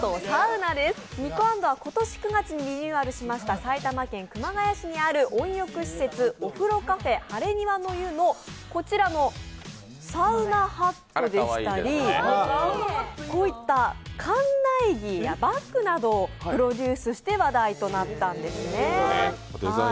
ｎｉｋｏａｎｄは今年９月にリニューアルしました埼玉県熊谷市にある温浴施設、おふろｃａｆｅハレニワの湯のこちらのサウナハットでしたりこういった館内着やバッグなどをプロデュースして話題となったんですね。